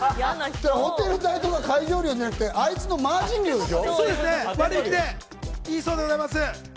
ホテル代とか会場料じゃなくて、あいつのマージン料でしょ？